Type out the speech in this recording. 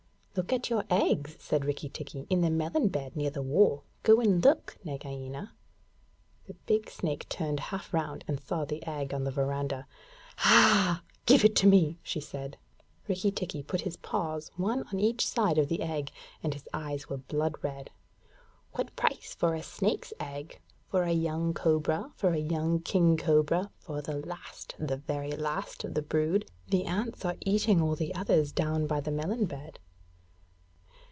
'Look at your eggs,' said Rikki tikki, 'in the melon bed near the wall. Go and look, Nagaina.' The big snake turned half round, and saw the egg on the verandah. 'Ah h! Give it to me,' she said. Rikki tikki put his paws one on each side of the egg, and his eyes were blood red. 'What price for a snake's egg? For a young cobra? For a young king cobra? For the last the very last of the brood? The ants are eating all the others down by the melon bed.'